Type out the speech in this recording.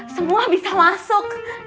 semua bisa masuk